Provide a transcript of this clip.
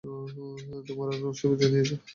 তোমরা ওর সুবিধা নিয়েছ।